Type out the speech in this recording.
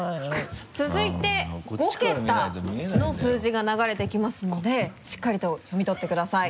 続いて５ケタの数字が流れてきますのでしっかりと読み取ってください。